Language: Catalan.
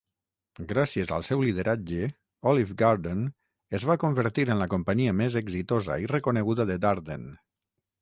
Gràcies al seu lideratge, Olive Garden es va convertir en la companyia més exitosa i reconeguda de Darden.